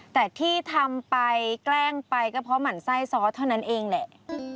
แต่ที่ทำไปแกล้งไปก็เพราะหมั่นไส้ซอสเท่านั้นเองแหละ